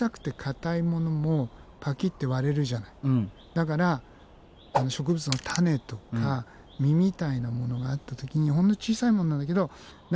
だから植物の種とか実みたいなものがあった時にほんの小さいものなんだけど中を食べる。